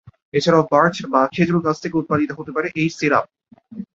এছাড়াও, বার্চ বা খেজুর গাছ থেকে উৎপাদিত হতে পারে একই সিরাপ।